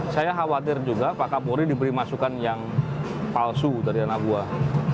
saya khawatir juga pak kapolri diberi masukan yang palsu dari anak buah